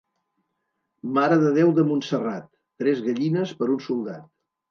Mare de Déu de Montserrat, tres gallines per un soldat.